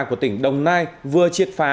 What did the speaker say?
của tỉnh đồng nai vừa triệt phá